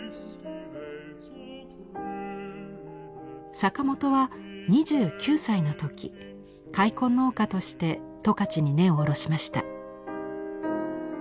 坂本は２９歳の時開墾農家として十勝に根を下ろしました。